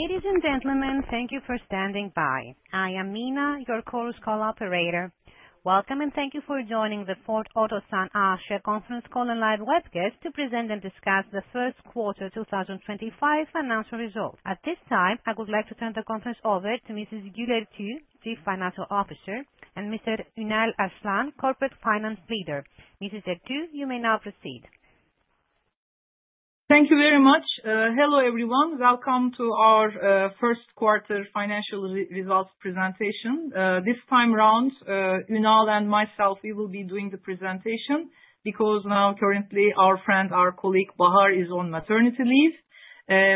Ladies and gentlemen, thank you for standing by. I am Mina, your chorus call operator. Welcome, and thank you for joining the Ford Otosan share conference call and live webcast to present and discuss the Q1 2025 financial results. At this time, I would like to turn the conference over to Mrs. Gül Ertuğ, Chief Financial Officer, and Mr. Ünal Arslan, Corporate Finance Leader. Mrs. Ertuğ, you may now proceed. Thank you very much. Hello, everyone. Welcome to our Q1 financial results presentation. This time around, Ünal and myself, we will be doing the presentation because now currently our friend, our colleague, Bahar, is on maternity leave.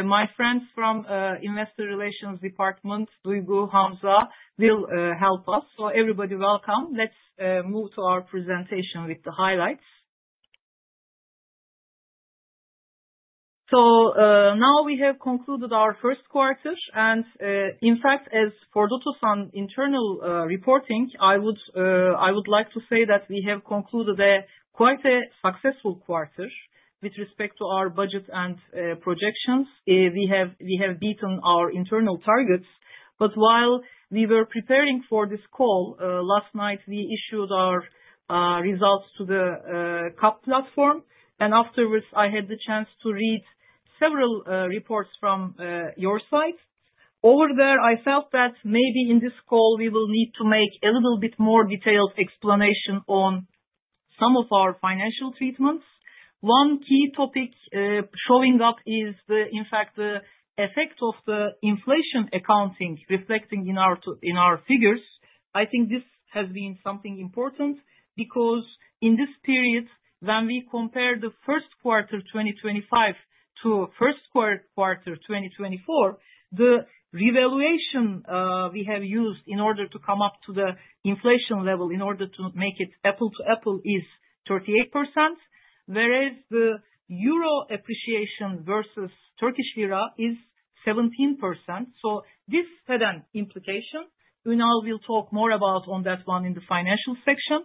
My friends from investor relations department, Duygu, Hamza, will help us. Everybody welcome. Let's move to our presentation with the highlights. Now we have concluded our first quarter. In fact, as Ford Otosan internal reporting, I would like to say that we have concluded quite a successful quarter with respect to our budget and projections. We have beaten our internal targets. While we were preparing for this call, last night, we issued our results to the KAP platform. Afterwards, I had the chance to read several reports from your side. Over there, I felt that maybe in this call we will need to make a little bit more detailed explanation on some of our financial treatments. One key topic showing up is, in fact, the effect of the inflation accounting reflecting in our figures. I think this has been something important because in this period, when we compare the first quarter 2025 to Q1 2024, the revaluation we have used in order to come up to the inflation level, in order to make it apples to apples, is 38%. Whereas the euro appreciation versus Turkish lira is 17%. This had an implication. Ünal will talk more about on that one in the financial section.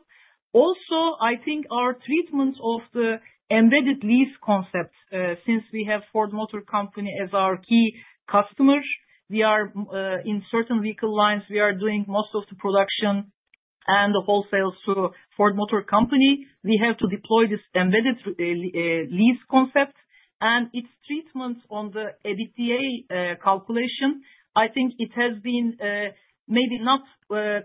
I think our treatment of the embedded lease concept, since we have Ford Motor Company as our key customer, we are in certain vehicle lines, we are doing most of the production and the wholesale to Ford Motor Company. We have to deploy this embedded lease concept and its treatment on the EBITDA calculation. I think it has been maybe not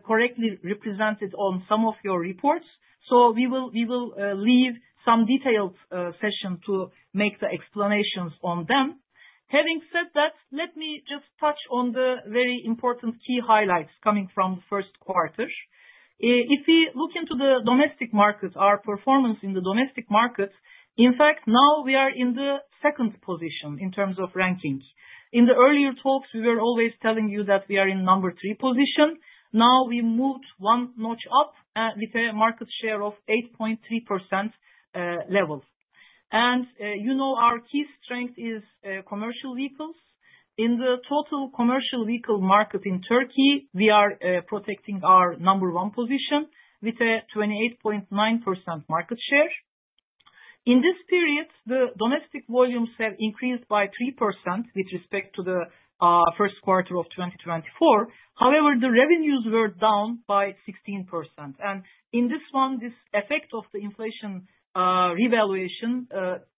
correctly represented on some of your reports. We will leave some detailed session to make the explanations on them. Having said that, let me just touch on the very important key highlights coming from first quarter. If we look into the domestic market, our performance in the domestic market, in fact, now we are in the second position in terms of rankings. In the earlier talks, we were always telling you that we are in number three position. Now we moved one notch up with a market share of 8.3% levels. You know our key strength is commercial vehicles. In the total commercial vehicle market in Turkey, we are protecting our number one position with a 28.9% market share. In this period, the domestic volumes have increased by 3% with respect to the Q1 of 2024. However, the revenues were down by 16%. In this one, this effect of the inflation revaluation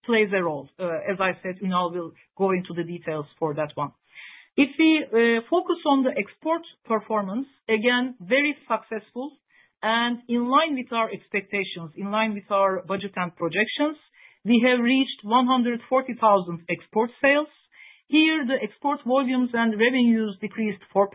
plays a role. As I said, Ünal will go into the details for that one. If we focus on the export performance, again, very successful and in line with our expectations, in line with our budget and projections. We have reached 140,000 export sales. Here, the export volumes and revenues decreased 4%.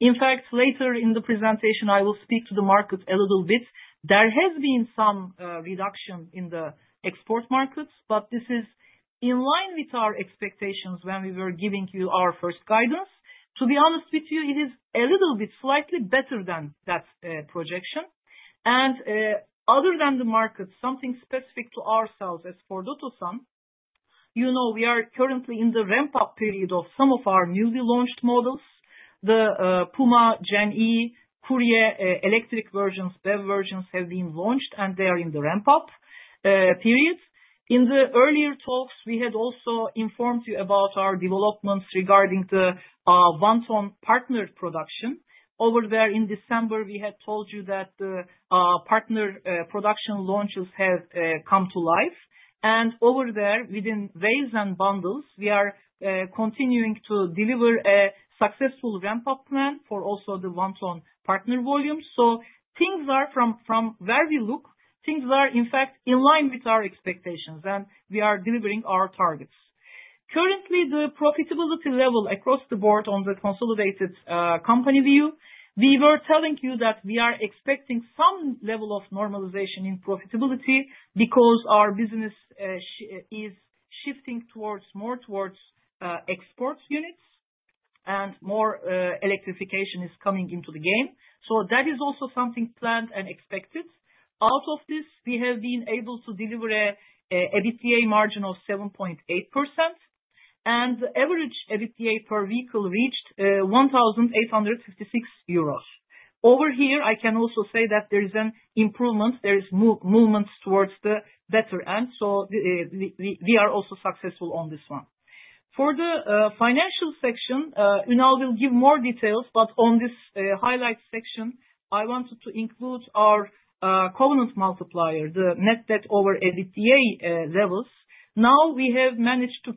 In fact, later in the presentation, I will speak to the market a little bit. There has been some reduction in the export markets, but this is in line with our expectations when we were giving you our first guidance. To be honest with you, it is a little bit slightly better than that projection. Other than the market, something specific to ourselves as Ford Otosan, you know we are currently in the ramp-up period of some of our newly launched models. The Puma Gen-E, E-Courier, electric versions, BEV versions have been launched, and they are in the ramp-up periods. In the earlier talks, we had also informed you about our developments regarding the one-ton partner production. Over there in December, we had told you that the one-ton partner production launches have come to life. Over there, within waves and bundles, we are continuing to deliver a successful ramp-up plan for also the one-ton partner volumes. Things are, from where we look, in fact in line with our expectations, and we are delivering our targets. Currently, the profitability level across the board on the consolidated company view, we were telling you that we are expecting some level of normalization in profitability because our business is shifting towards more export units and more electrification is coming into the game. That is also something planned and expected. Out of this, we have been able to deliver a EBITDA margin of 7.8%. The average EBITDA per vehicle reached 1,856 euros. Over here, I can also say that there is an improvement. There is movements towards the better end, so, we are also successful on this one. For the financial section, Ünal will give more details, but on this highlight section, I wanted to include our covenant multiplier, the Net Debt/EBITDA levels. Now we have managed to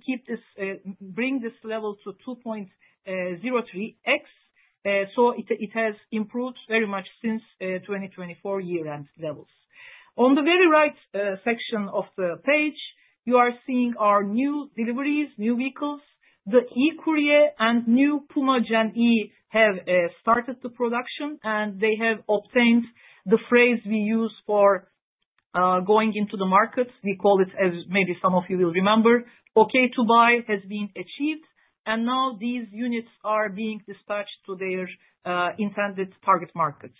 bring this level to 2.03x. So it has improved very much since 2024 year-end levels. On the very right section of the page, you are seeing our new deliveries, new vehicles. The E-Courier and new Puma Gen-E have started production, and they have obtained the phrase we use for going into the markets. We call it, as maybe some of you will remember, okay to buy has been achieved, and now these units are being dispatched to their intended target markets.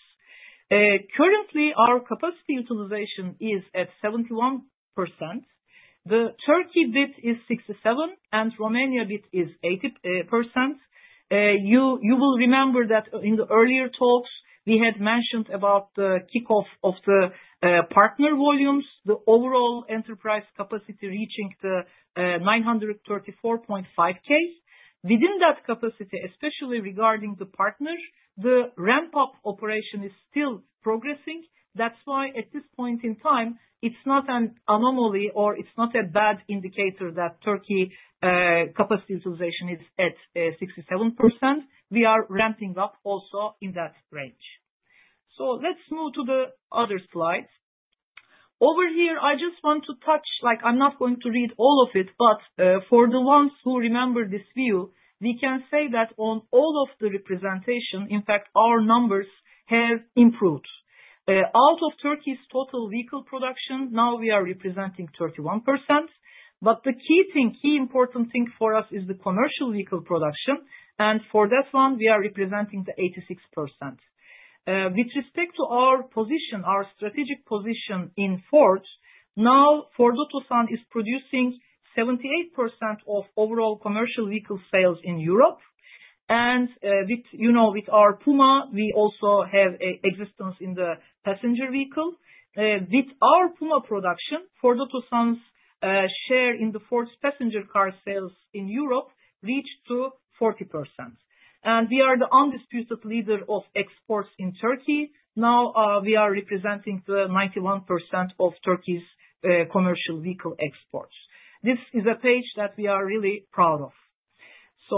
Currently, our capacity utilization is at 71%. The Turkey bit is 67, and Romania bit is 80%. You will remember that in the earlier talks we had mentioned about the kickoff of the partner volumes, the overall enterprise capacity reaching the 934.5 Ks. Within that capacity, especially regarding the partners, the ramp-up operation is still progressing. That's why, at this point in time, it's not an anomaly or it's not a bad indicator that Turkey capacity utilization is at 67%. We are ramping up also in that range. Let's move to the other slide. Over here, I just want to touch, like I'm not going to read all of it, but, for the ones who remember this view, we can say that on all of the representation, in fact, our numbers have improved. Out of Turkey's total vehicle production, now we are representing 31%. The key thing, key important thing for us is the commercial vehicle production, and for that one, we are representing the 86%. With respect to our position, our strategic position in Ford, now Ford Otosan is producing 78% of overall commercial vehicle sales in Europe. With, you know, with our Puma, we also have existence in the passenger vehicle. With our Puma production, Ford Otosan's share in the Ford's passenger car sales in Europe reached to 40%. We are the undisputed leader of exports in Turkey. Now, we are representing the 91% of Turkey's commercial vehicle exports. This is a page that we are really proud of.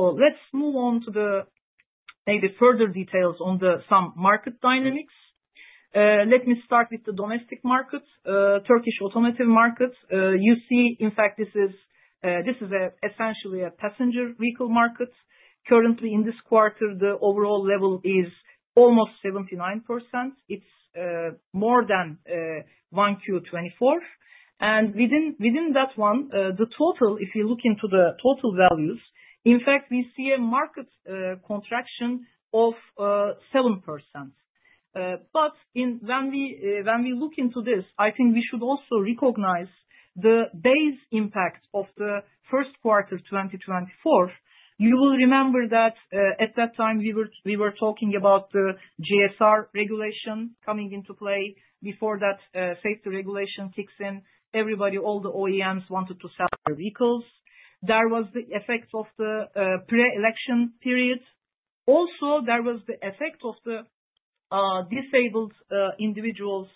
Let's move on to maybe further details on some market dynamics. Let me start with the domestic markets, Turkish automotive markets. You see, in fact, this is essentially a passenger vehicle market. Currently, in this quarter, the overall level is almost 79%. It's more than 1Q24. And within that one, the total, if you look into the total values, in fact, we see a market contraction of 7%. But when we look into this, I think we should also recognize the base impact of the Q1 2024. You will remember that at that time we were talking about the GSR regulation coming into play. Before that safety regulation kicks in, everybody, all the OEMs wanted to sell their vehicles. There was the effects of the pre-election period. Also, there was the effect of the disabled individuals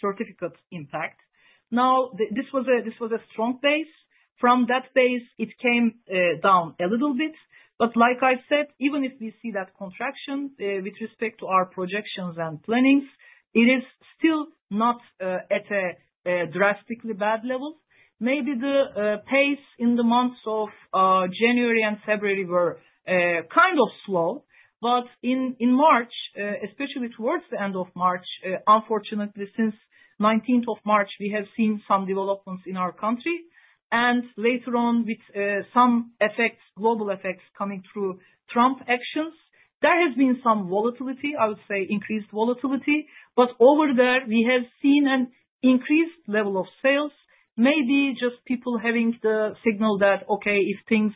certificates impact. This was a strong base. From that base, it came down a little bit. Like I said, even if we see that contraction with respect to our projections and plannings, it is still not at a drastically bad level. Maybe the pace in the months of January and February were kind of slow. In March, especially towards the end of March, unfortunately since nineteenth of March, we have seen some developments in our country. Later on with some effects, global effects coming through Trump actions, there has been some volatility, I would say increased volatility. But over there we have seen an increased level of sales. Maybe just people having the signal that, okay, if things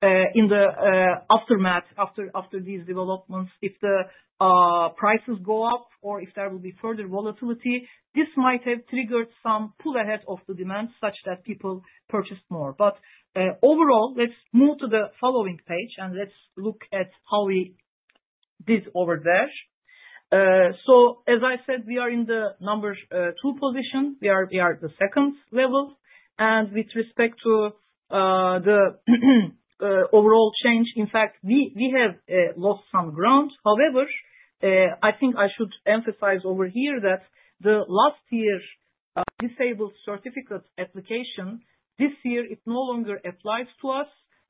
in the aftermath after these developments, if the prices go up or if there will be further volatility, this might have triggered some pull ahead of the demand such that people purchased more. But overall, let's move to the following page and let's look at how we did over there. So as I said, we are in the number 2 position. We are at the second level. And with respect to the overall change, in fact, we have lost some ground. However, I think I should emphasize over here that the last year's disabled certificate application, this year it no longer applies to us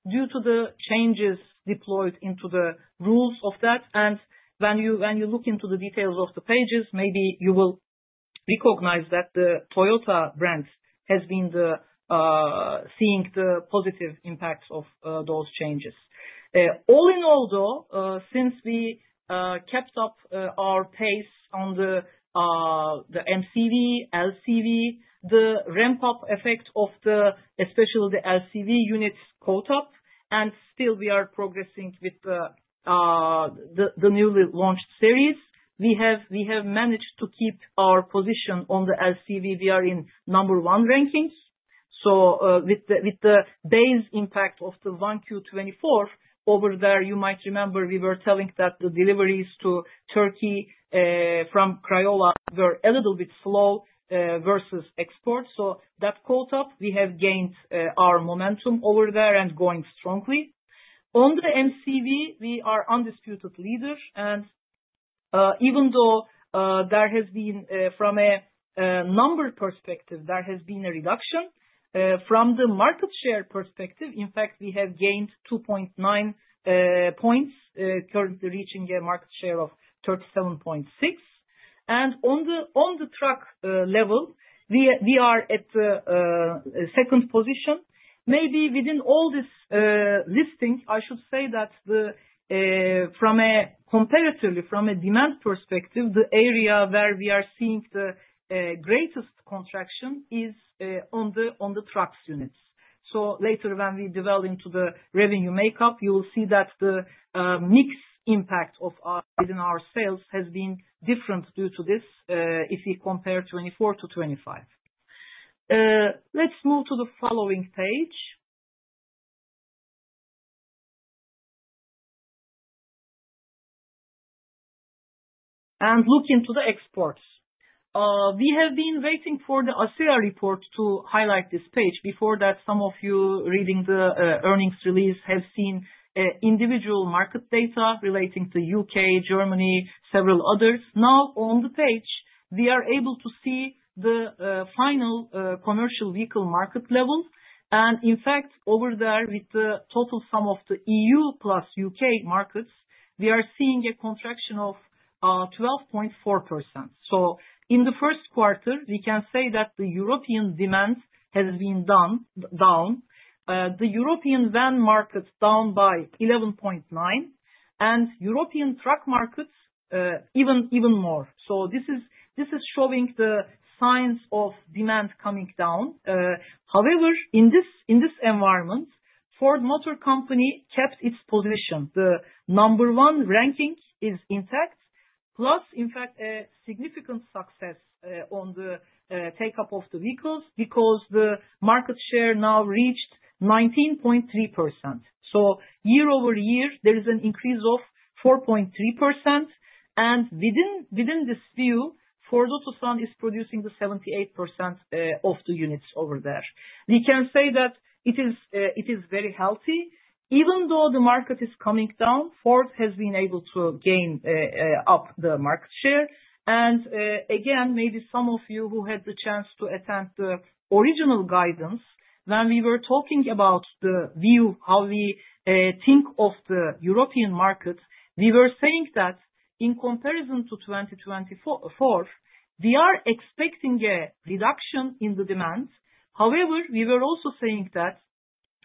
due to the changes deployed into the rules of that. When you look into the details of the pages, maybe you will recognize that the Toyota brand has been seeing the positive impacts of those changes. All in all, though, since we kept up our pace on the MCV, LCV, the ramp up effect of, especially the LCV units caught up. Still we are progressing with the newly launched series. We have managed to keep our position on the LCV. We are in number one rankings. with the base impact of the 1Q 2024 over there, you might remember we were telling that the deliveries to Turkey from Craiova were a little bit slow versus export. that caught up. We have gained our momentum over there and going strongly. On the MCV, we are undisputed leaders. even though there has been from a number perspective, there has been a reduction from the market share perspective, in fact, we have gained 2.9 points reaching a market share of 37.6. on the truck level, we are at second position. Maybe within all this listing, I should say that from a demand perspective, the area where we are seeing the greatest contraction is on the trucks units. Later when we delve into the revenue makeup, you will see that the mix impact within our sales has been different due to this, if you compare 2024 to 2025. Let's move to the following page. Look into the exports. We have been waiting for the ACEA report to highlight this page. Before that, some of you reading the earnings release have seen individual market data relating to U.K., Germany, several others. Now on the page, we are able to see the final commercial vehicle market level. In fact, over there, with the total sum of the EU plus UK markets, we are seeing a contraction of 12.4%. In the first quarter, we can say that the European demand has been down. The European van market is down by 11.9% and European truck markets even more. This is showing the signs of demand coming down. However, in this environment, Ford Motor Company kept its position. The number one ranking is intact, plus in fact a significant success on the take-up of the vehicles because the market share now reached 19.3%. Year-over-year there is an increase of 4.3%. Within this view, Ford Otosan is producing 78% of the units over there. We can say that it is very healthy. Even though the market is coming down, Ford has been able to gain up the market share. Again, maybe some of you who had the chance to attend the original guidance when we were talking about the view, how we think of the European market. We were saying that in comparison to 2024, we are expecting a reduction in the demand. However, we were also saying that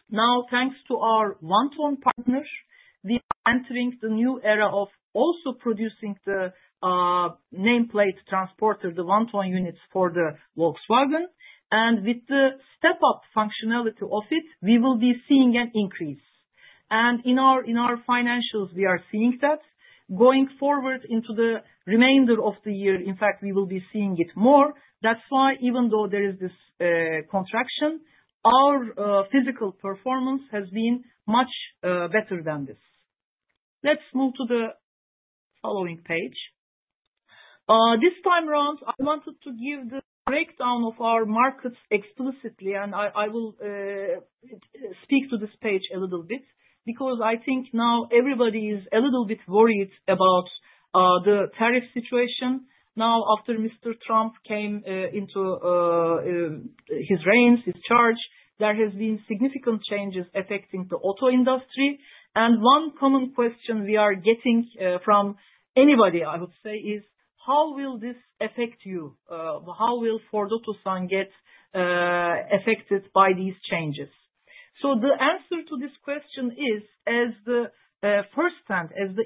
now, thanks to our one-ton partners, we are entering the new era of also producing the nameplate Transporter, the one-ton units for the Volkswagen. With the step up functionality of it, we will be seeing an increase. In our financials, we are seeing that. Going forward into the remainder of the year, in fact, we will be seeing it more. That's why even though there is this contraction, our physical performance has been much better than this. Let's move to the following page. This time around, I wanted to give the breakdown of our markets explicitly. I will speak to this page a little bit because I think now everybody is a little bit worried about the tariff situation. Now, after Mr. Trump came into his reins, his charge, there has been significant changes affecting the auto industry. One common question we are getting from anybody, I would say, is, "How will this affect you?" "How will Ford Otosan get affected by these changes?" The answer to this question is, as the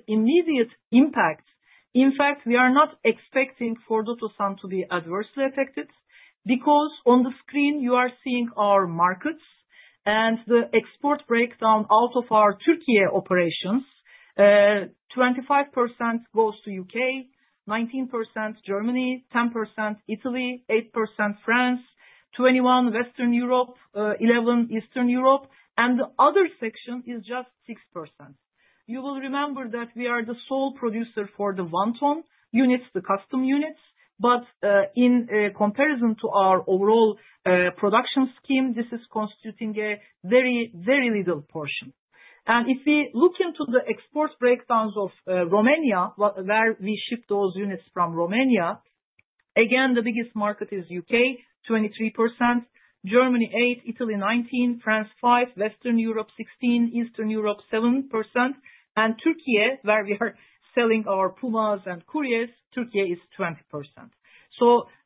immediate impact, in fact, we are not expecting Ford Otosan to be adversely affected. Because on the screen you are seeing our markets and the export breakdown out of our Türkiye operations. 25% goes to UK, 19% Germany, 10% Italy, 8% France, 21% Western Europe, 11% Eastern Europe, and the other section is just 6%. You will remember that we are the sole producer for the one-ton units, the custom units. In comparison to our overall production scheme, this is constituting a very, very little portion. If we look into the export breakdowns of Romania, where we ship those units from Romania. Again, the biggest market is UK, 23%, Germany 8%, Italy 19%, France 5%, Western Europe 16%, Eastern Europe 7%. Türkiye, where we are selling our Pumas and Couriers, Türkiye is 20%.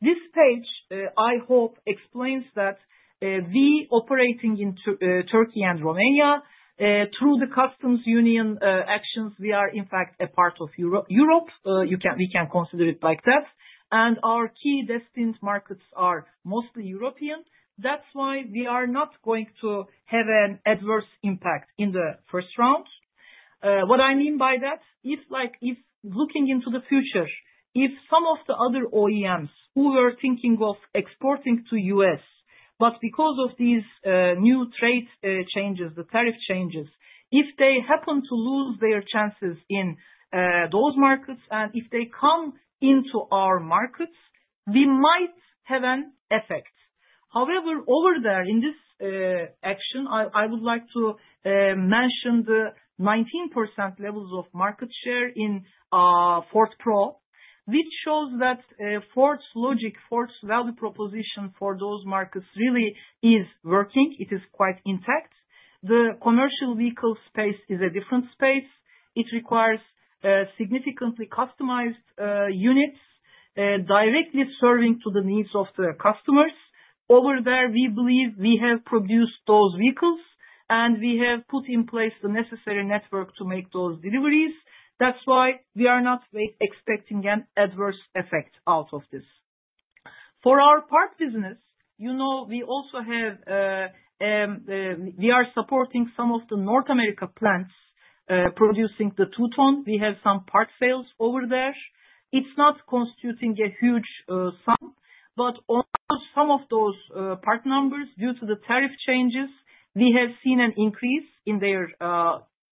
This page, I hope explains that, we operating in Türkiye and Romania, through the Customs Union actions, we are in fact a part of Europe. We can consider it like that. Our key destination markets are mostly European. That's why we are not going to have an adverse impact in the first round. What I mean by that, if like, if looking into the future, if some of the other OEMs who are thinking of exporting to U.S., but because of these, new trade changes, the tariff changes, if they happen to lose their chances in those markets, and if they come into our markets, we might have an effect. However, over there in this action, I would like to mention the 19% levels of market share in Ford Pro, which shows that Ford's logic, Ford's value proposition for those markets really is working. It is quite intact. The commercial vehicle space is a different space. It requires significantly customized units directly serving to the needs of the customers. Over there, we believe we have produced those vehicles, and we have put in place the necessary network to make those deliveries. That's why we are not expecting an adverse effect out of this. For our parts business, you know, we also have we are supporting some of the North America plants producing the two-ton. We have some part sales over there. It's not constituting a huge sum, but on some of those part numbers, due to the tariff changes, we have seen an increase in their.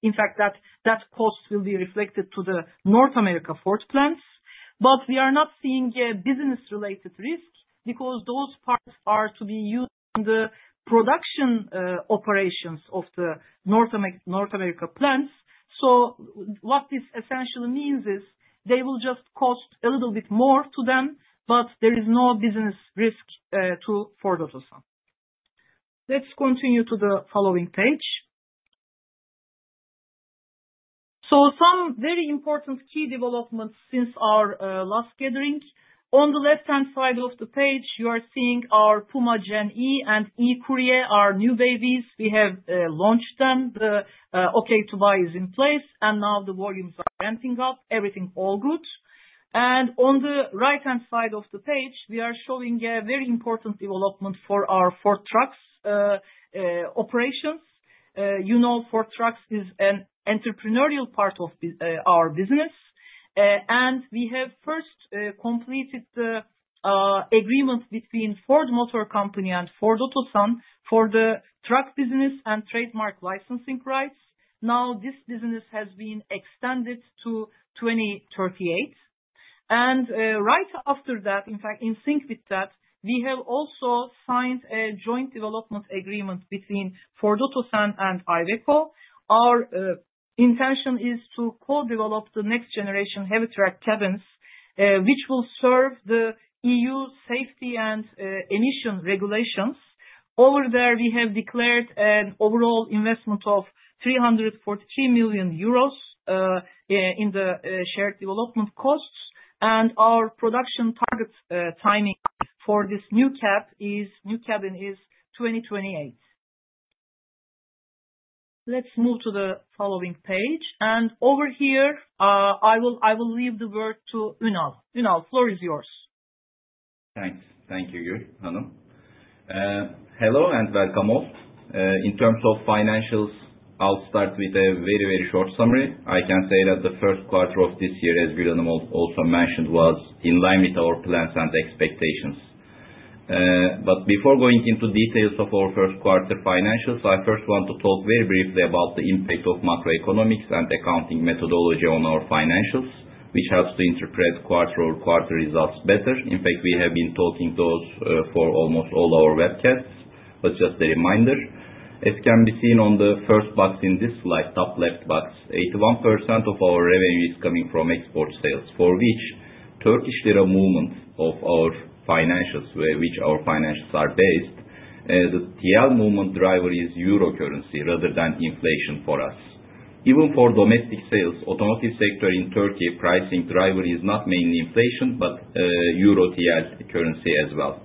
In fact, that cost will be reflected to the North America Ford plants. We are not seeing a business-related risk because those parts are to be used in the production operations of the North America plants. What this essentially means is they will just cost a little bit more to them, but there is no business risk to Ford Otosan. Let's continue to the following page. Some very important key developments since our last gathering. On the left-hand side of the page, you are seeing our Puma Gen-E and E-Courier, our new babies. We have launched them. The okay to buy is in place, and now the volumes are ramping up. Everything all good. On the right-hand side of the page, we are showing a very important development for our Ford Trucks operations. You know, Ford Trucks is an entrepreneurial part of our business. We have first completed the agreement between Ford Motor Company and Ford Otosan for the truck business and trademark licensing rights. Now, this business has been extended to 2038. Right after that, in fact, in sync with that, we have also signed a joint development agreement between Ford Otosan and Iveco. Our intention is to co-develop the next generation heavy truck cabins, which will serve the EU safety and emission regulations. Over there, we have declared an overall investment of 343 million euros in the shared development costs. Our production targets timing for this new cabin is 2028. Let's move to the following page. Over here, I will leave the word to Ünal. Ünal, floor is yours. Thanks. Thank you, Gül Hanım. Hello and welcome all. In terms of financials, I'll start with a very, very short summary. I can say that the first quarter of this year, as Gül Hanım also mentioned, was in line with our plans and expectations. Before going into details of our first quarter financials, I first want to talk very briefly about the impact of macroeconomics and accounting methodology on our financials, which helps to interpret quarter-over-quarter results better. In fact, we have been talking about those for almost all our webcasts. Just a reminder, it can be seen on the first box in this slide, top left box. 81% of our revenue is coming from export sales, for which TL movement of our financials, which our financials are based, the TL movement driver is euro currency rather than inflation for us. Even for domestic sales, automotive sector in Turkey, pricing driver is not mainly inflation, but euro-TL currency as well.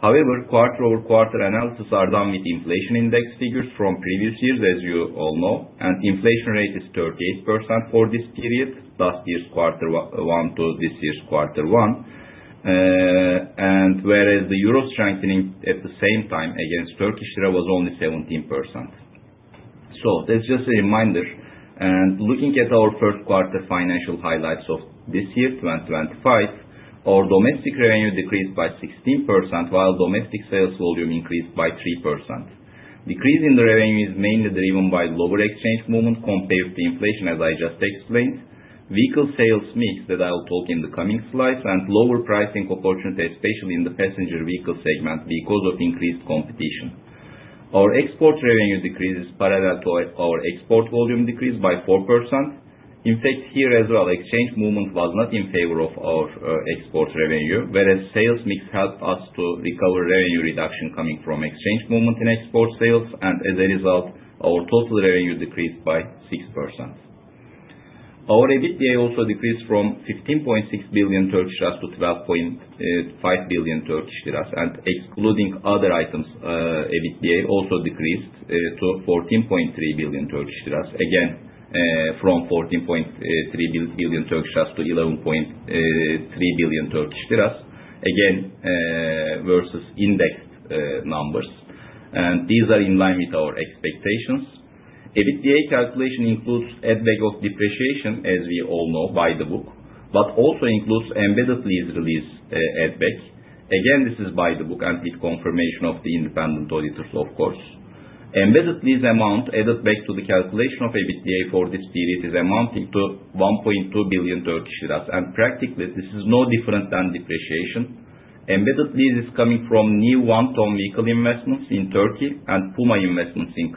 However, quarter-over-quarter analysis are done with inflation index figures from previous years, as you all know. Inflation rate is 38% for this period, last year's quarter one to this year's quarter one. Whereas the euro strengthening at the same time against TL was only 17%. That's just a reminder. Looking at our first quarter financial highlights of this year, 2025, our domestic revenue decreased by 16%, while domestic sales volume increased by 3%. Decrease in the revenue is mainly driven by lower exchange movement compared to inflation, as I just explained. Vehicle sales mix that I'll talk in the coming slides, and lower pricing opportunity, especially in the passenger vehicle segment because of increased competition. Our export revenue decrease is parallel to our export volume decrease by 4%. In fact, here as well, exchange movement was not in favor of our export revenue, whereas sales mix helped us to recover revenue reduction coming from exchange movement in export sales. As a result, our total revenue decreased by 6%. Our EBITDA also decreased from 15.6 billion to 12.5 billion. Excluding other items, EBITDA also decreased to 14.3 billion. Again, from 14.3 billion Turkish liras to 11.3 billion Turkish liras. Again, versus index numbers. These are in line with our expectations. EBITDA calculation includes add back of depreciation, as we all know by the book, but also includes embedded lease release add back. Again, this is by the book and with confirmation of the independent auditors, of course. Embedded lease amount added back to the calculation of EBITDA for this period is amounting to 1.2 billion Turkish liras. Practically, this is no different than depreciation. Embedded lease is coming from new one-ton vehicle investments in Turkey and Puma investments in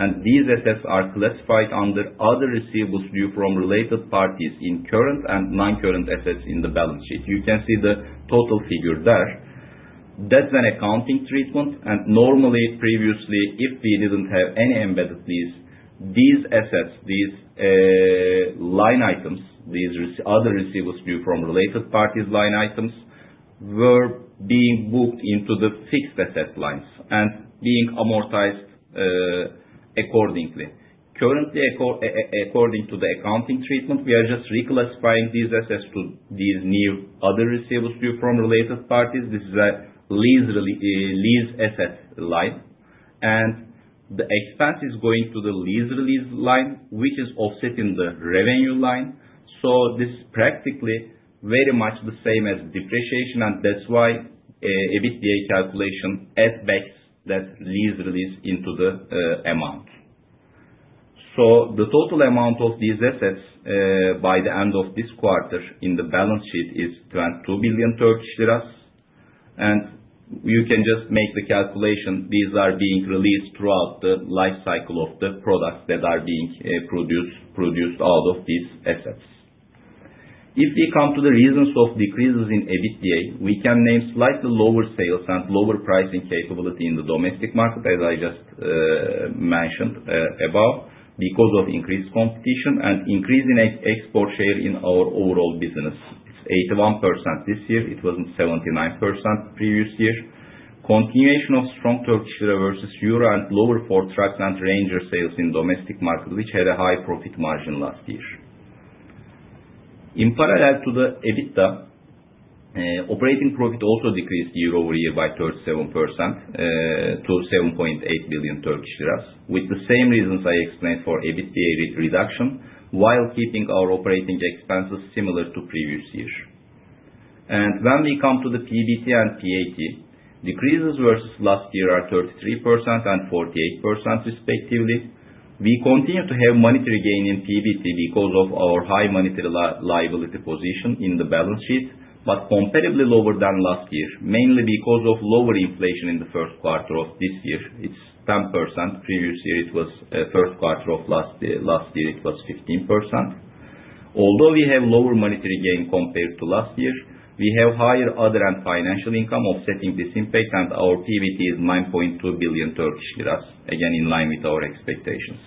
Craiova. These assets are classified under other receivables due from related parties in current and non-current assets in the balance sheet. You can see the total figure there. That's an accounting treatment, and normally, previously, if we didn't have any embedded lease, these assets, these line items, these other receivables due from related parties line items were being booked into the fixed asset lines and being amortized accordingly. Currently, according to the accounting treatment, we are just reclassifying these assets to these new other receivables due from related parties. This is a lease asset line. The expense is going to the lease expense line, which is offsetting the revenue line. This practically very much the same as depreciation, and that's why EBITDA calculations add back that lease expense into the amount. The total amount of these assets by the end of this quarter in the balance sheet is 2.2 billion Turkish lira. You can just make the calculation. These are being released throughout the life cycle of the products that are being produced out of these assets. If we come to the reasons of decreases in EBITDA, we can name slightly lower sales and lower pricing capability in the domestic market, as I just mentioned about because of increased competition and increase in export share in our overall business. It's 81% this year. It was 79% previous year. Continuation of strong Turkish lira versus euro and lower Ford Trucks and Ranger sales in domestic market, which had a high profit margin last year. In parallel to the EBITDA, operating profit also decreased year-over-year by 37% to 7.8 billion Turkish lira. With the same reasons I explained for EBITDA with reduction while keeping our operating expenses similar to previous year. When we come to the PBT and PAT, decreases versus last year are 33% and 48% respectively. We continue to have monetary gain in PBT because of our high monetary liability position in the balance sheet, but comparatively lower than last year, mainly because of lower inflation in the first quarter of this year. It's 10%. Previous year it was first quarter of last year it was 15%. Although we have lower monetary gain compared to last year, we have higher other and financial income offsetting this impact, and our PBT is 9.2 billion Turkish lira, again, in line with our expectations.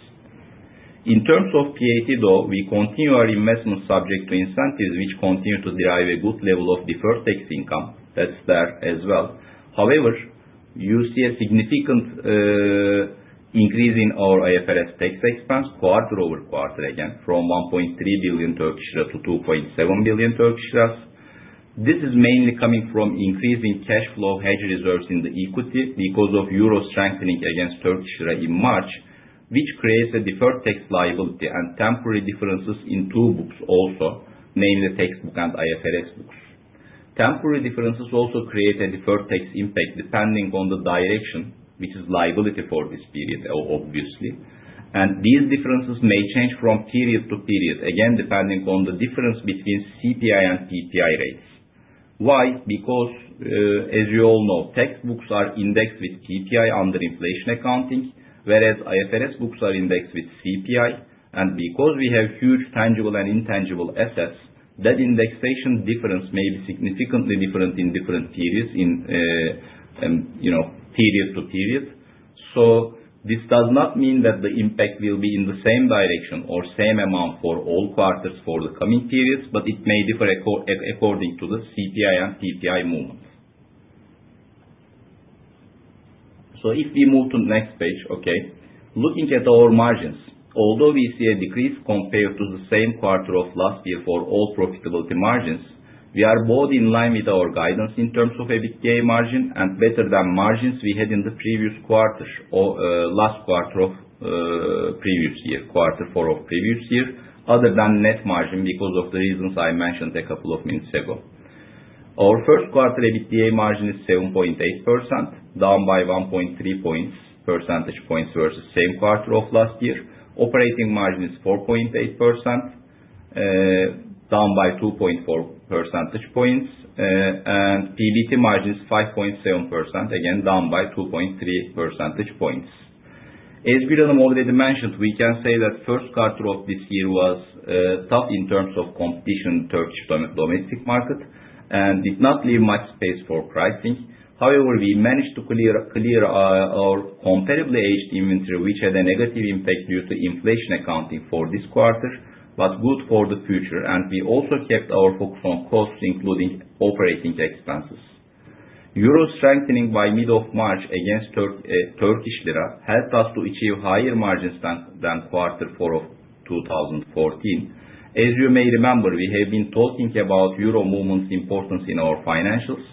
In terms of PAT, though, we continue our investment subject to incentives, which continue to drive a good level of deferred tax income. That's there as well. However, you see a significant increase in our IFRS tax expense quarter-over-quarter, again, from 1.3 billion to 2.7 billion. This is mainly coming from increasing cash flow hedge reserves in the equity because of euro strengthening against Turkish lira in March, which creates a deferred tax liability and temporary differences in two books also, namely tax book and IFRS books. Temporary differences also create a deferred tax impact depending on the direction which is liability for this period, obviously. These differences may change from period to period, again, depending on the difference between CPI and PPI rates. Why? Because, as you all know, tax books are indexed with PPI under inflation accounting, whereas IFRS books are indexed with CPI. Because we have huge tangible and intangible assets, that indexation difference may be significantly different in different periods in, you know, period to period. This does not mean that the impact will be in the same direction or same amount for all quarters for the coming periods, but it may differ according to the CPI and PPI movements. If we move to the next page, okay. Looking at our margins, although we see a decrease compared to the same quarter of last year for all profitability margins, we are both in line with our guidance in terms of EBITDA margin and better than margins we had in the previous quarters or, last quarter of, previous year, quarter four of previous year, other than net margin because of the reasons I mentioned a couple of minutes ago. Our first quarter EBITDA margin is 7.8%, down by 1.3 percentage points versus same quarter of last year. Operating margin is 4.8%, down by 2.4 percentage points. PBT margin's 5.7%, again, down by 2.3 percentage points. As Gül Hanım already mentioned, we can say that first quarter of this year was tough in terms of competition Turkish domestic market and did not leave much space for pricing. However, we managed to clear our comparably aged inventory, which had a negative impact due to inflation accounting for this quarter, but good for the future. We also kept our focus on costs, including operating expenses. Euro strengthening by middle of March against Turkish lira helped us to achieve higher margins than Q4 of 2014. As you may remember, we have been talking about euro movement importance in our financials.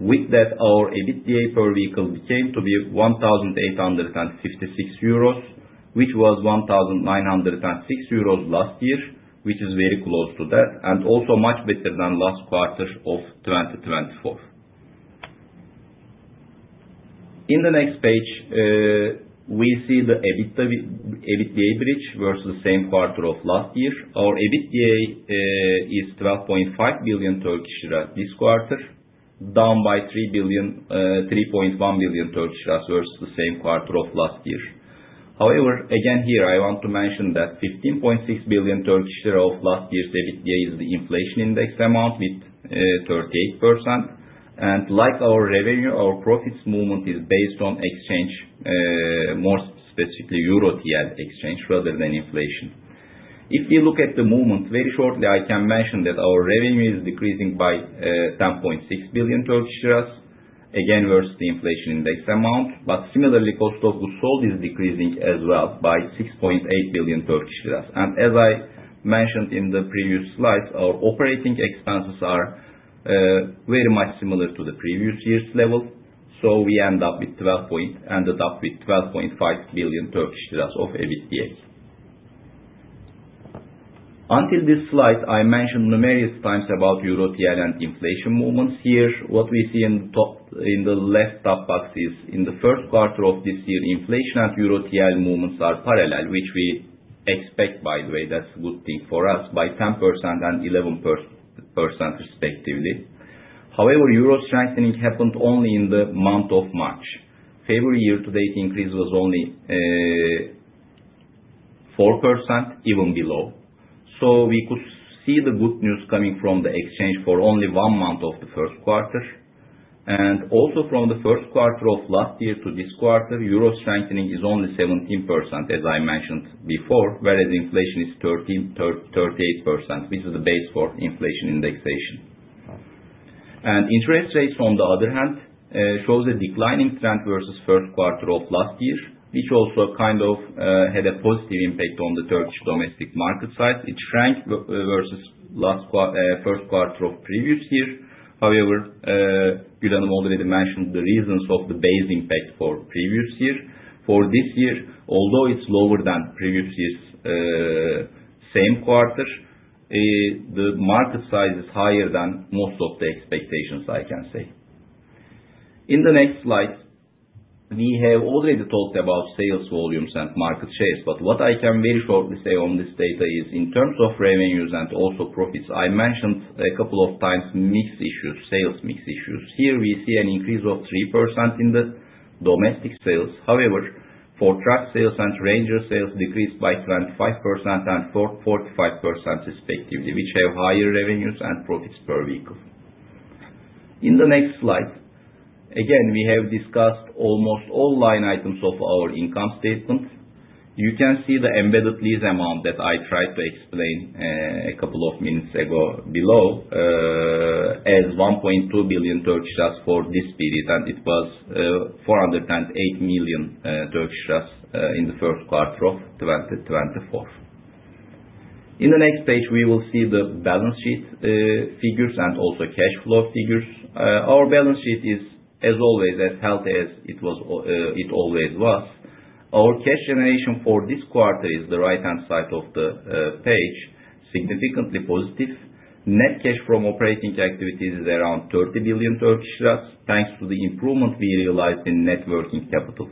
With that, our EBITDA per vehicle became to be 1,856 euros, which was 1,906 euros last year, which is very close to that, and also much better than last quarter of 2024. In the next page, we see the EBITDA bridge versus same quarter of last year. Our EBITDA is 12.5 billion Turkish lira this quarter, down by 3.1 billion Turkish lira versus the same quarter of last year. However, again, here I want to mention that 15.6 billion Turkish lira of last year's EBITDA is the inflation index amount with 38%. Like our revenue, our profits movement is based on exchange, more specifically euro TL exchange rather than inflation. If you look at the movement, very shortly, I can mention that our revenue is decreasing by 10.6 billion, again, versus the inflation index amount. Similarly, cost of goods sold is decreasing as well by 6.8 billion Turkish lira. As I mentioned in the previous slides, our operating expenses are very much similar to the previous year's level. We end up with 12.5 billion Turkish lira of EBITDA. Until this slide, I mentioned numerous times about euro TL and inflation movements. Here, what we see in the top, in the left top box is in the first quarter of this year, inflation and euro TL movements are parallel, which we expect by the way, that's a good thing for us, by 10% and 11% respectively. However, euro strengthening happened only in the month of March. February year-to-date increase was only 4%, even below. We could see the good news coming from the exchange for only one month of the first quarter. From the first quarter of last year to this quarter, euro strengthening is only 17%, as I mentioned before, whereas inflation is 13%-38%, which is the base for inflation indexation. Interest rates on the other hand shows a declining trend versus first quarter of last year, which also kind of had a positive impact on the Turkish domestic market size. It shrank versus first quarter of previous year. However, Gül Hanım already mentioned the reasons of the base impact for previous year. For this year, although it's lower than previous year's same quarter, the market size is higher than most of the expectations, I can say. In the next slide, we have already talked about sales volumes and market shares. What I can very shortly say on this data is in terms of revenues and also profits, I mentioned a couple of times mix issues, sales mix issues. Here we see an increase of 3% in the domestic sales. However, Ford truck sales and Ranger sales decreased by 25% and 45% respectively, which have higher revenues and profits per vehicle. In the next slide, again, we have discussed almost all line items of our income statement. You can see the embedded lease amount that I tried to explain a couple of minutes ago below as 1.2 billion for this period, and it was 408 million in the Q1 of 2024. In the next page, we will see the balance sheet figures and also cash flow figures. Our balance sheet is as always as healthy as it always was. Our cash generation for this quarter is on the right-hand side of the page, significantly positive. Net cash from operating activities is around TL 30 billion, thanks to the improvement we realized in net working capital.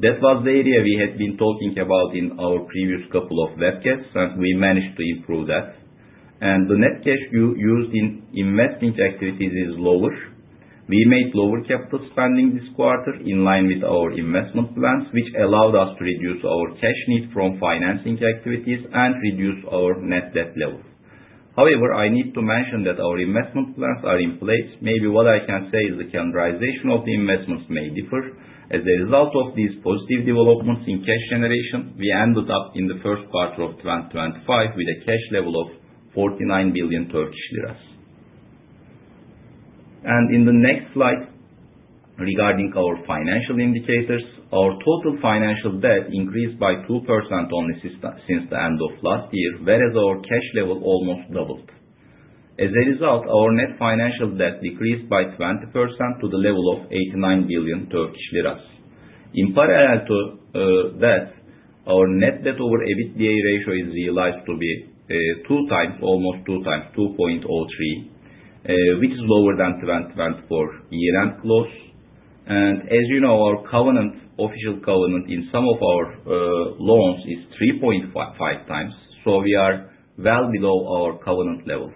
That was the area we had been talking about in our previous couple of webcasts, and we managed to improve that. The net cash used in investing activities is lower. We made lower capital spending this quarter in line with our investment plans, which allowed us to reduce our cash need from financing activities and reduce our net debt level. However, I need to mention that our investment plans are in place. Maybe what I can say is the calendarization of the investments may differ. As a result of these positive developments in cash generation, we ended up in the first quarter of 2025 with a cash level of TL 49 billion. In the next slide, regarding our financial indicators, our total financial debt increased by 2% only since the end of last year, whereas our cash level almost doubled. As a result, our net financial debt decreased by 20% to the level of 89 billion Turkish lira. In parallel to that, our net debt over EBITDA ratio is realized to be 2.03, which is lower than 2024 year-end close. As you know, our covenant, official covenant in some of our loans is 3.5 times. We are well below our covenant level.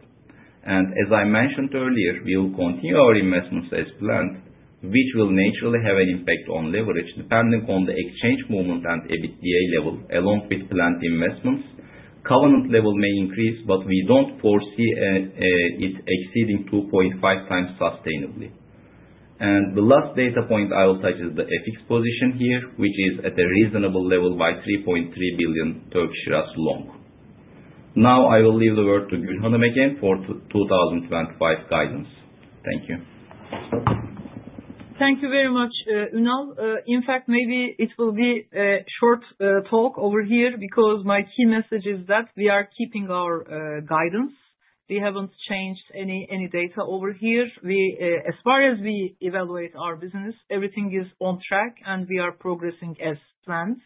As I mentioned earlier, we will continue our investments as planned, which will naturally have an impact on leverage, depending on the exchange movement and EBITDA level, along with planned investments. Covenant level may increase, but we don't foresee it exceeding 2.5 times sustainably. The last data point I will touch is the FX position here, which is at a reasonable level by 3.3 billion long. Now I will leave the word to Gül Hanım Ertuğ again for 2025 guidance. Thank you. Thank you very much, Ünal. In fact, maybe it will be a short talk over here because my key message is that we are keeping our guidance. We haven't changed any data over here. As far as we evaluate our business, everything is on track, and we are progressing as planned.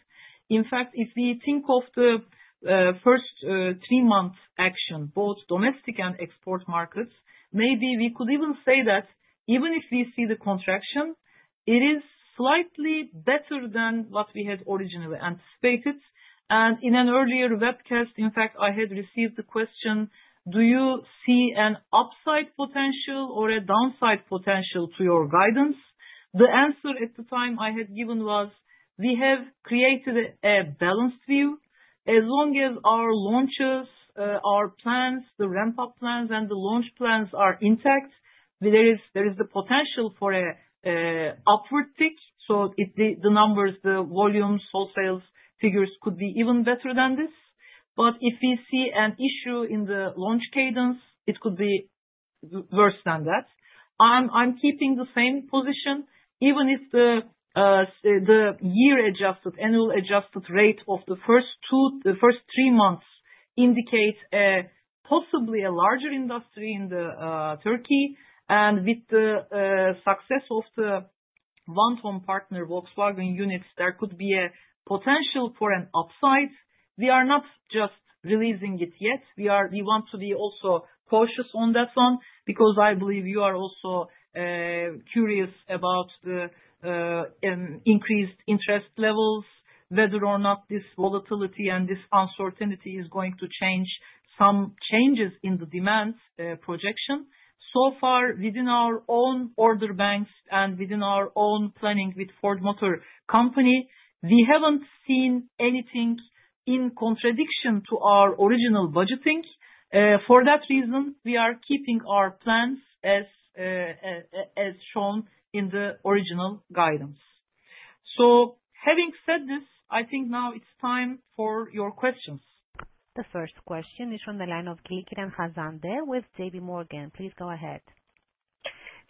In fact, if we think of the first three months action, both domestic and export markets, maybe we could even say that even if we see the contraction, it is slightly better than what we had originally anticipated. In an earlier webcast, in fact, I had received the question: Do you see an upside potential or a downside potential to your guidance? The answer at the time I had given was, we have created a balanced view. As long as our launches, our plans, the ramp-up plans and the launch plans are intact, there is the potential for an upward tick. If the numbers, the volumes, wholesale sales figures could be even better than this. If we see an issue in the launch cadence, it could be worse than that. I'm keeping the same position, even if the seasonally adjusted annual rate of the first three months indicates possibly a larger industry in Turkey. With the success of the one-ton partner Volkswagen units, there could be a potential for an upside. We are not just releasing it yet. We want to be also cautious on that one because I believe you are also curious about the increased interest levels, whether or not this volatility and this uncertainty is going to change some changes in the demand projection. So far, within our own order banks and within our own planning with Ford Motor Company, we haven't seen anything in contradiction to our original budgeting. For that reason, we are keeping our plans as shown in the original guidance. Having said this, I think now it's time for your questions. The first question is from the line of Hanzade Kılıçkıran there with J.P. Morgan. Please go ahead.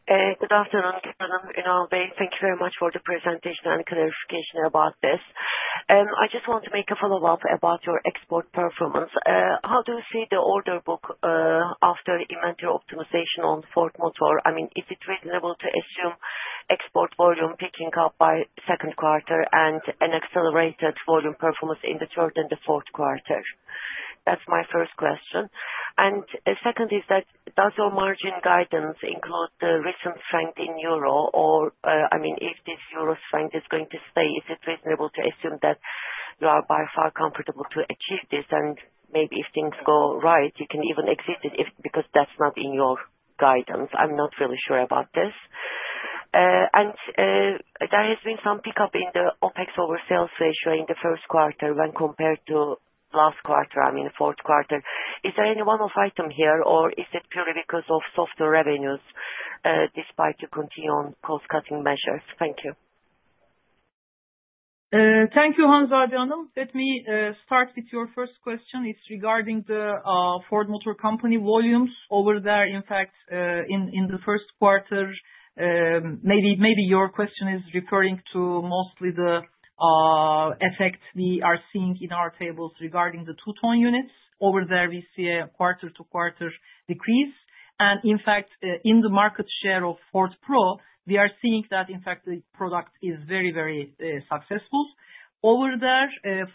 Good afternoon, Gül Hanım, Ünal Bey. Thank you very much for the presentation and clarification about this. I just want to make a follow-up about your export performance. How do you see the order book after inventory optimization on Ford Motor? I mean, is it reasonable to assume export volume picking up by second quarter and an accelerated volume performance in the third and the fourth quarter? That's my first question. Second, does your margin guidance include the recent strength in euro? I mean, if this euro strength is going to stay, is it reasonable to assume that you are by far comfortable to achieve this? Maybe if things go right, you can even exceed it because that's not in your guidance. I'm not really sure about this. There has been some pickup in the OpEx over sales ratio in the first quarter when compared to last quarter, I mean, Q4. Is there any one-off item here, or is it purely because of softer revenues, despite you continue on cost-cutting measures? Thank you. Thank you, Hanzade Hanım. Let me start with your first question. It's regarding the Ford Motor Company volumes over there. In fact, in the first quarter, maybe your question is referring to mostly the effect we are seeing in our tables regarding the two-ton units. Over there we see a quarter-to-quarter decrease. In fact, in the market share of Ford Pro, we are seeing that in fact the product is very successful. Over there,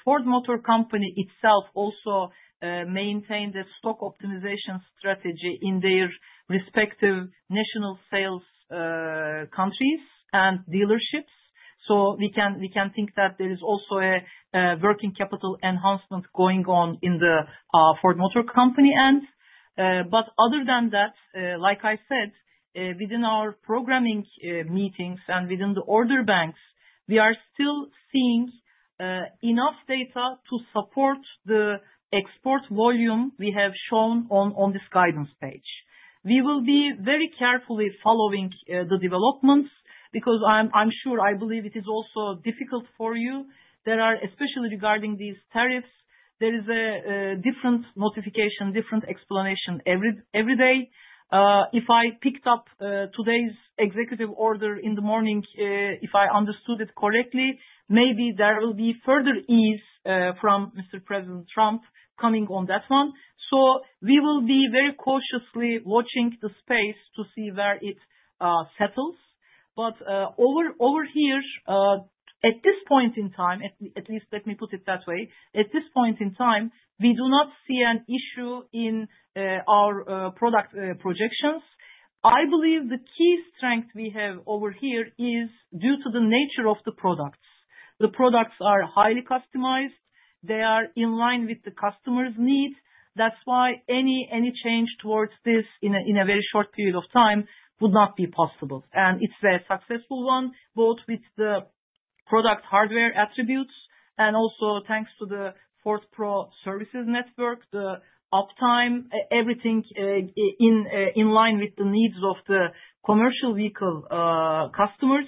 Ford Motor Company itself also maintained a stock optimization strategy in their respective national sales countries and dealerships. We can think that there is also a working capital enhancement going on in the Ford Motor Company end. Other than that, like I said, within our programming, meetings and within the order banks, we are still seeing enough data to support the export volume we have shown on this guidance page. We will be very carefully following the developments because I'm sure I believe it is also difficult for you. There are, especially regarding these tariffs, there is a different notification, different explanation every day. If I picked up today's executive order in the morning, if I understood it correctly, maybe there will be further ease from Mr. President Trump coming on that one. We will be very cautiously watching the space to see where it settles. Over here, at this point in time, at least let me put it that way. At this point in time, we do not see an issue in our product projections. I believe the key strength we have over here is due to the nature of the products. The products are highly customized. They are in line with the customer's needs. That's why any change towards this in a very short period of time would not be possible. It's a successful one, both with the product hardware attributes and also thanks to the Ford Pro services network, the uptime, everything in line with the needs of the commercial vehicle customers.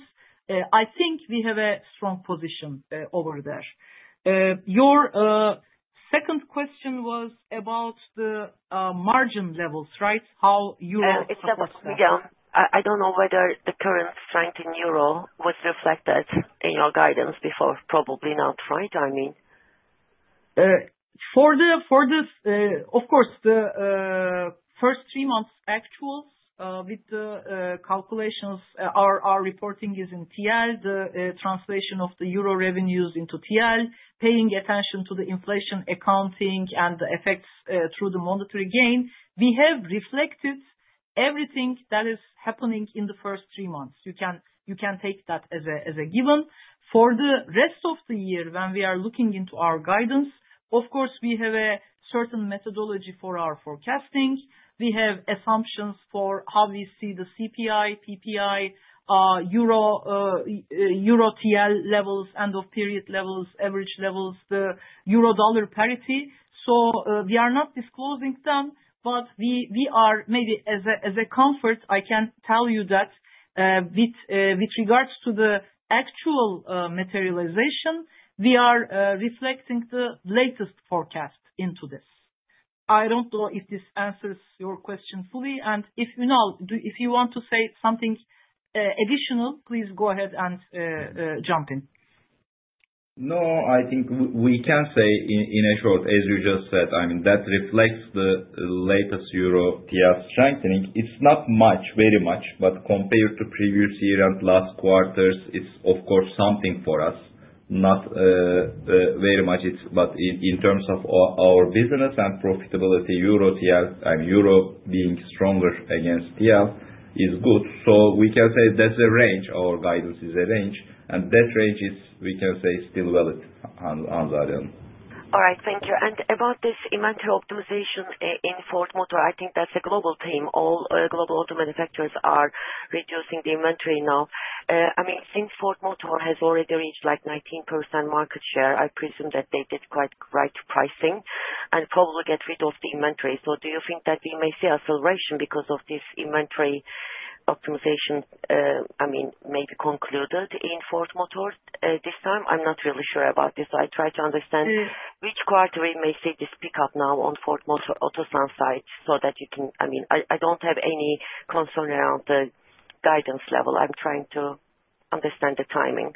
I think we have a strong position over there. Your second question was about the margin levels, right? How Euro- It's about, yeah. I don't know whether the current strength in Euro was reflected in your guidance before. Probably not, right? I mean. For this, of course, the first three months actual, with the calculations, our reporting is in TL, the translation of the euro revenues into TL, paying attention to the inflation accounting and the effects, through the monetary gain. We have reflected everything that is happening in the first three months. You can take that as a given. For the rest of the year when we are looking into our guidance, of course, we have a certain methodology for our forecasting. We have assumptions for how we see the CPI, PPI, euro TL levels, end of period levels, average levels, the euro dollar parity. We are not disclosing them, but we are maybe as a comfort, I can tell you that, with regards to the actual materialization, we are reflecting the latest forecast into this. I don't know if this answers your question fully, and if, Ünal, if you want to say something additional, please go ahead and jump in. No, I think we can say in short, as you just said, I mean, that reflects the latest euro TL strengthening. It's not much, but compared to previous year and last quarters, it's of course something for us, not very much. In terms of our business and profitability, euro TL and euro being stronger against TL is good. We can say that's a range, our guidance is a range, and that range is, we can say, still valid, Hanzade Hanım. All right. Thank you. About this inventory optimization in Ford Motor, I think that's a global theme. All global auto manufacturers are reducing the inventory now. I mean, since Ford Motor has already reached like 19% market share, I presume that they did quite right pricing and probably get rid of the inventory. Do you think that we may see acceleration because of this inventory optimization? I mean, maybe concluded in Ford Motor this time? I'm not really sure about this. I try to understand. Mm. Which quarter we may see this pickup now on Ford Otosan side so that you can. I mean, I don't have any concern around the guidance level. I'm trying to understand the timing.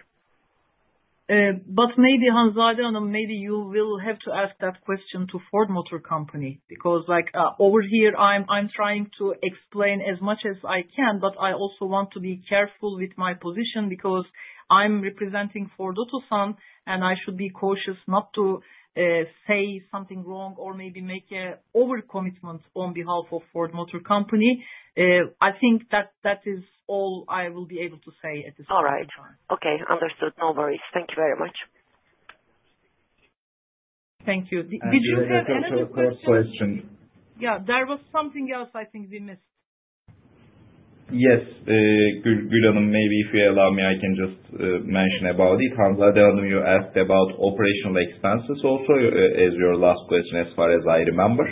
Maybe Hanzade Hanım, maybe you will have to ask that question to Ford Motor Company, because, like, over here, I'm trying to explain as much as I can, but I also want to be careful with my position because I'm representing Ford Otosan, and I should be cautious not to say something wrong or maybe make an over-commitment on behalf of Ford Motor Company. I think that is all I will be able to say at this point in time. All right. Okay. Understood. No worries. Thank you very much. Thank you. Did you have any questions? The other question. Yeah. There was something else I think we missed. Yes. Gül Hanım, maybe if you allow me, I can just mention about it. Hanzade Hanım, you asked about operational expenses also as your last question, as far as I remember.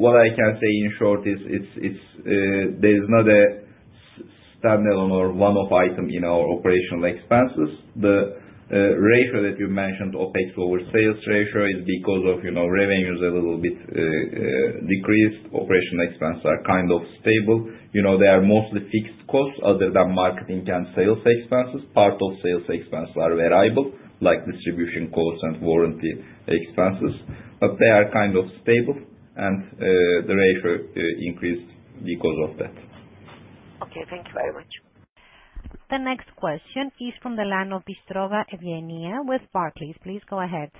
What I can say in short is, it's, there's not a standalone or one-off item in our operational expenses. The ratio that you mentioned, OpEx over sales ratio is because of, you know, revenues a little bit decreased. Operational expenses are kind of stable. You know, they are mostly fixed costs other than marketing and sales expenses. Part of sales expenses are variable, like distribution costs and warranty expenses. But they are kind of stable and the ratio increased because of that. Okay. Thank you very much. The next question is from the line of Evgeniya Bystrova with Barclays. Please go ahead.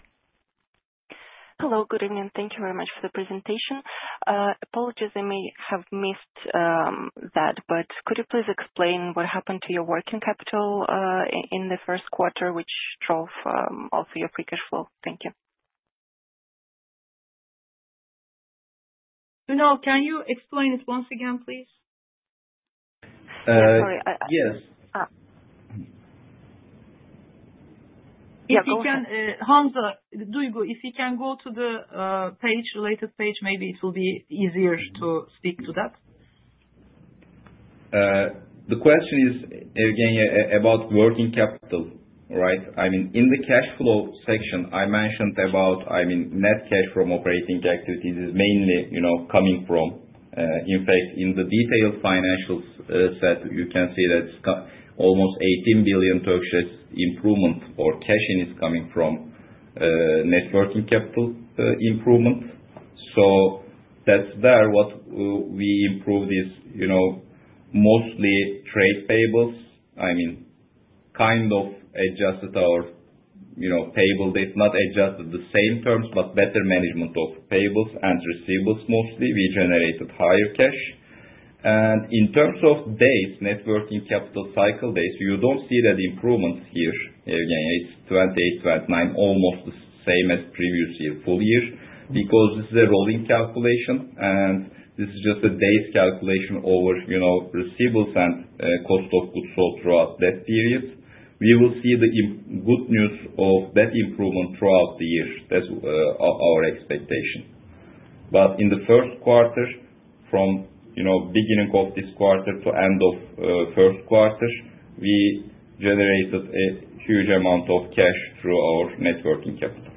Hello. Good evening. Thank you very much for the presentation. Apologies if I may have missed that, but could you please explain what happened to your working capital in the first quarter, which drove also your free cash flow? Thank you. Ünal, can you explain it once again, please? Yes. Sorry. Hamza, Duygu, if you can go to the related page, maybe it will be easier to speak to that. The question is, Evgeniya, about working capital, right? I mean, in the cash flow section I mentioned about, I mean, net cash from operating activities is mainly, you know, coming from, in fact, in the detailed financials, sheet, you can see that's got almost 18 billion improvement or cash in is coming from, net working capital, improvement. So that's there what we improve is, you know, mostly trade payables. I mean, kind of adjusted our, you know, payable. It's not adjusted the same terms, but better management of payables and receivables mostly, we generated higher cash. In terms of days, net working capital cycle days, you don't see that improvement here. Again, it's 28, 29, almost the same as previous year, full year, because this is a rolling calculation, and this is just a days calculation over, you know, receivables and cost of goods sold throughout that period. We will see the good news of that improvement throughout the year. That's our expectation. In the first quarter from, you know, beginning of this quarter to end of first quarter, we generated a huge amount of cash through our net working capital.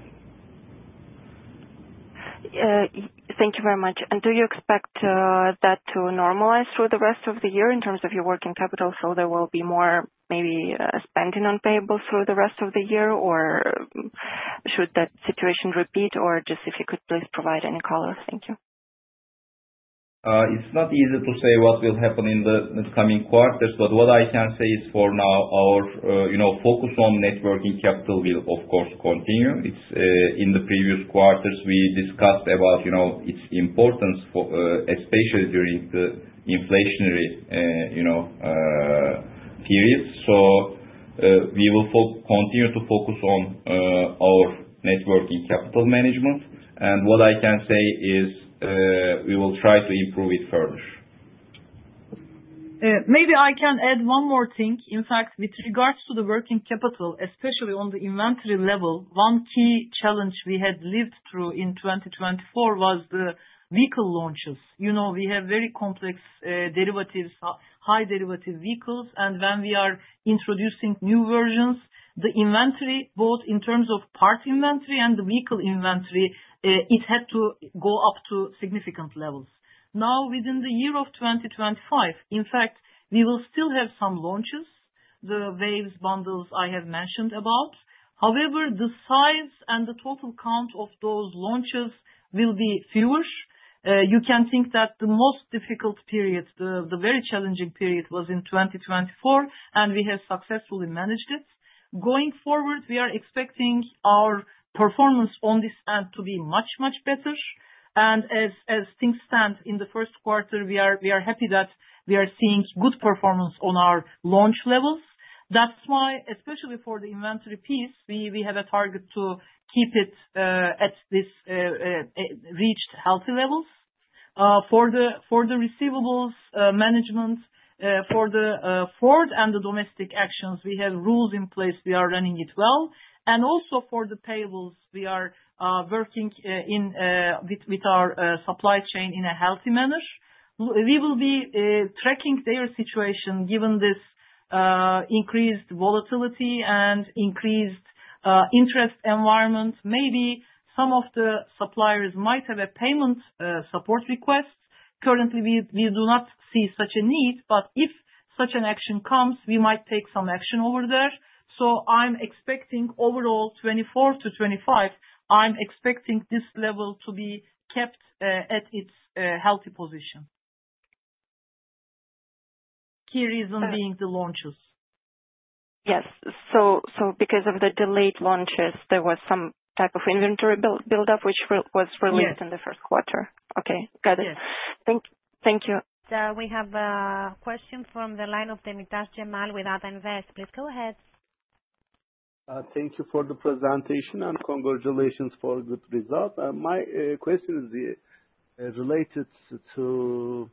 Thank you very much. Do you expect that to normalize through the rest of the year in terms of your working capital so there will be more maybe spending on payables through the rest of the year? Or should that situation repeat or just if you could please provide any color? Thank you. It's not easy to say what will happen in the coming quarters, but what I can say is for now our, you know, focus on net working capital will of course continue. It's in the previous quarters we discussed about, you know, its importance for, especially during the inflationary, you know, period. We will continue to focus on our net working capital management. What I can say is, we will try to improve it further. Maybe I can add one more thing. In fact, with regards to the working capital, especially on the inventory level, one key challenge we had lived through in 2024 was the vehicle launches. You know, we have very complex derivatives, high derivative vehicles, and when we are introducing new versions, the inventory, both in terms of parts inventory and the vehicle inventory, it had to go up to significant levels. Now within the year of 2025, in fact, we will still have some launches, the waves bundles I have mentioned about. However, the size and the total count of those launches will be fewer. You can think that the most difficult periods, the very challenging period was in 2024, and we have successfully managed it. Going forward, we are expecting our performance on this end to be much, much better. As things stand in the first quarter, we are happy that we are seeing good performance on our launch levels. That's why, especially for the inventory piece, we have a target to keep it at this reached healthy levels. For the receivables management for the Ford and the domestic actions, we have rules in place. We are running it well. For the payables, we are working with our supply chain in a healthy manner. We will be tracking their situation given this increased volatility and increased interest environment. Maybe some of the suppliers might have a payment support request. Currently, we do not see such a need, but if such an action comes, we might take some action over there. I'm expecting overall 2024-2025, I'm expecting this level to be kept at its healthy position. Key reason being the launches. Yes. Because of the delayed launches, there was some type of inventory build up which was released. Yes. in the first quarter. Okay, got it. Yes. Thank you. We have a question from the line of Cemal Demirtaş with Ata Invest. Please go ahead. Thank you for the presentation and congratulations for good result. My question is related to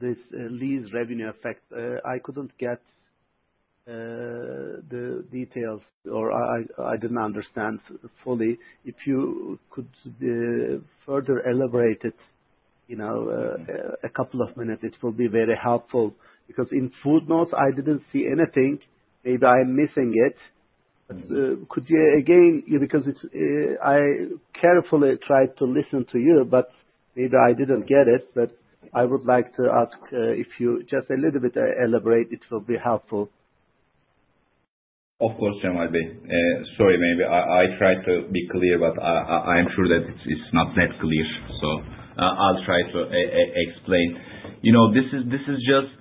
this lease revenue effect. I couldn't get the details or I didn't understand fully. If you could further elaborate it, you know, a couple of minutes, it will be very helpful because in footnotes I didn't see anything. Maybe I'm missing it. Because I carefully tried to listen to you, but maybe I didn't get it. But I would like to ask if you just a little bit elaborate, it will be helpful. Of course, Cemal. Sorry maybe I tried to be clear, but I'm sure that it's not that clear. I'll try to explain. You know this is just,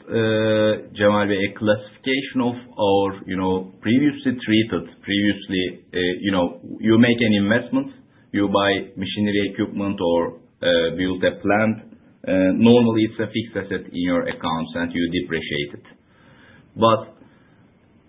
Cemal, a classification of our, you know, previously treated. Previously, you know, you make an investment, you buy machinery equipment or, build a plant. Normally it's a fixed asset in your accounts and you depreciate it.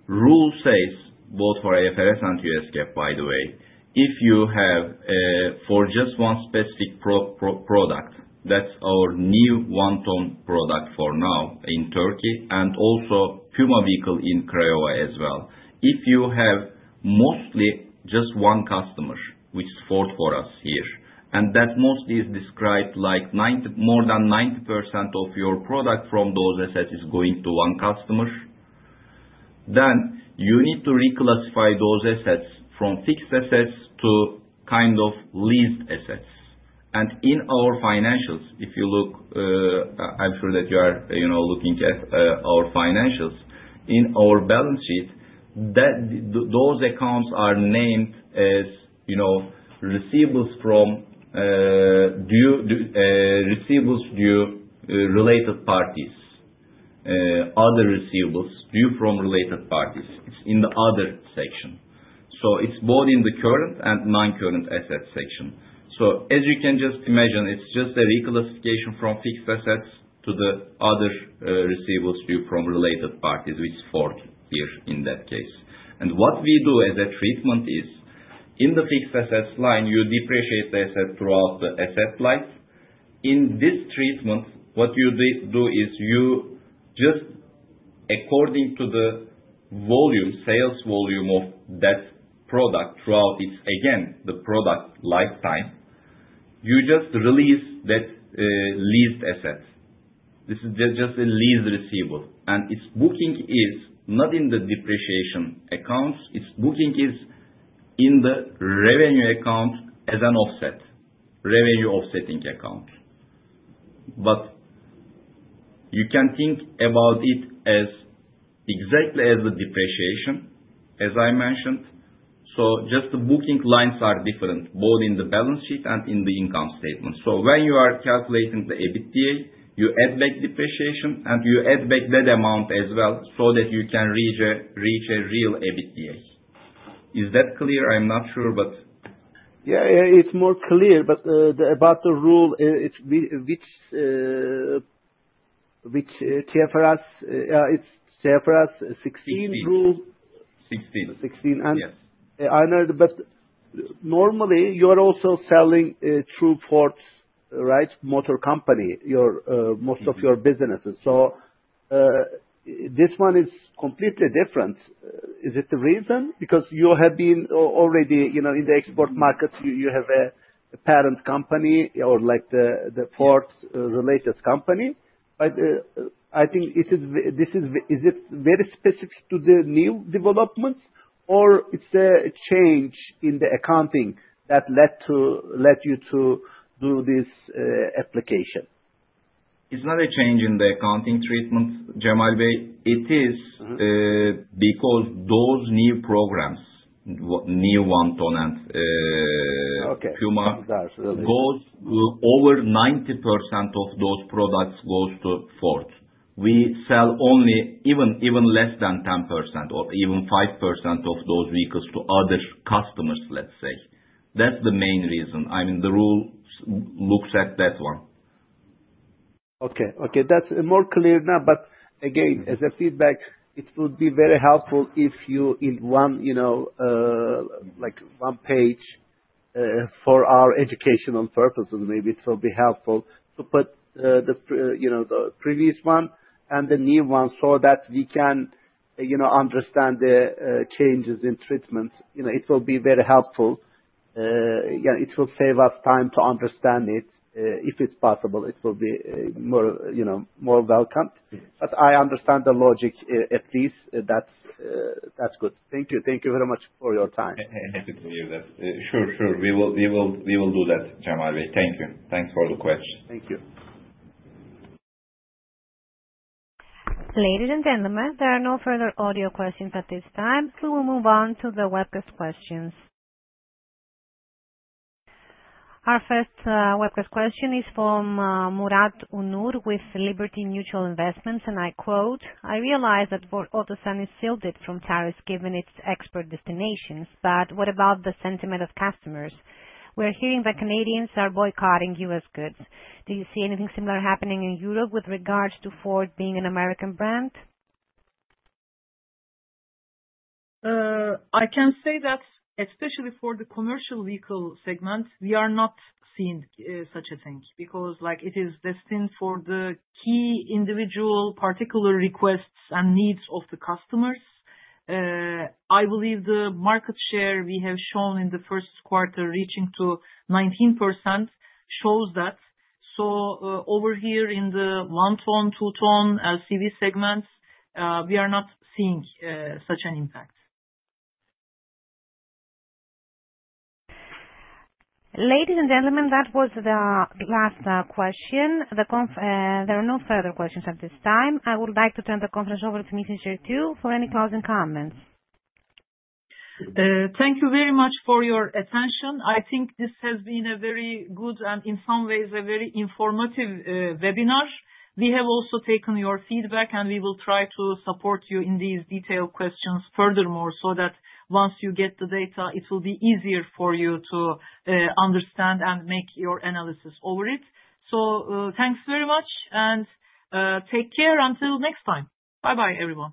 Rule says both for IFRS and US GAAP, by the way, if you have, for just one specific product, that's our new one-ton product for now in Turkey and also Puma vehicle in Craiova as well. If you have mostly just one customer, which is Ford for us here, and that mostly is described like 90, more than 90% of your product from those assets is going to one customer, then you need to reclassify those assets from fixed assets to kind of leased assets. In our financials, if you look, I'm sure that you are, you know, looking at our financials. In our balance sheet, those accounts are named, as you know, receivables due from related parties. Other receivables due from related parties. It's in the other section. So it's both in the current and non-current assets section. So as you can just imagine, it's just a reclassification from fixed assets to the other receivables due from related parties, which Ford here in that case. What we do as a treatment is in the fixed assets line, you depreciate the asset throughout the asset life. In this treatment, what you do is you just according to the volume, sales volume of that product throughout its, again, the product lifetime, you just release that leased asset. This is just a lease receivable, and its booking is not in the depreciation accounts, its booking is in the revenue account as an offset. Revenue offsetting account. You can think about it as exactly as a depreciation, as I mentioned. Just the booking lines are different, both in the balance sheet and in the income statement. When you are calculating the EBITDA, you add back depreciation and you add back that amount as well so that you can reach a real EBITDA. Is that clear? I'm not sure, but. Yeah, it's more clear, but about the rule, it's which TFRS. It's TFRS 16 rule. Sixteen. Sixteen. Yes. I know, but normally you're also selling through Ford Motor Company most of your businesses. This one is completely different. Is it the reason? Because you have been already, you know, in the export market, you have a parent company or like the Ford related company. I think this is. Is it very specific to the new developments or it's a change in the accounting that led you to do this application? It's not a change in the accounting treatment, Cemal Bey. It is. Mm-hmm. because those new programs, new one-ton and Okay. Over 90% of those products goes to Ford. We sell only even less than 10% or even 5% of those vehicles to other customers, let's say. That's the main reason. I mean, the rule looks at that one. Okay. Okay, that's more clear now. Again, as a feedback, it would be very helpful if you in one, you know, like, one page, for our educational purposes, maybe it will be helpful to put, the, you know, the previous one and the new one so that we can, you know, understand the, changes in treatment. You know, it will be very helpful. Yeah, it will save us time to understand it. If it's possible, it will be more, you know, more welcome. I understand the logic. At least that's good. Thank you. Thank you very much for your time. Happy to hear that. Sure. We will do that, Cemal Bey. Thank you. Thanks for the question. Thank you. Ladies and gentlemen, there are no further audio questions at this time, so we'll move on to the webcast questions. Our first webcast question is from Murat Ünür with Liberty Mutual Investments. And I quote, "I realize that Ford Otosan is shielded from tariffs given its export destinations. But what about the sentiment of customers? We're hearing that Canadians are boycotting U.S. goods. Do you see anything similar happening in Europe with regards to Ford being an American brand? I can say that especially for the commercial vehicle segment, we are not seeing such a thing. Because, like, it is destined for the key individual particular requests and needs of the customers. I believe the market share we have shown in the first quarter reaching to 19% shows that. Over here in the one-ton, two-ton LCV segments, we are not seeing such an impact. Ladies and gentlemen, that was the last question. There are no further questions at this time. I would like to turn the conference over to Metin Şekerci for any closing comments. Thank you very much for your attention. I think this has been a very good and in some ways a very informative webinar. We have also taken your feedback, and we will try to support you in these detailed questions furthermore, so that once you get the data it will be easier for you to understand and make your analysis over it. Thanks very much and take care until next time. Bye-bye, everyone.